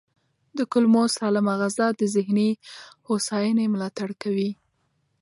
د کولمو سالمه غذا د ذهني هوساینې ملاتړ کوي.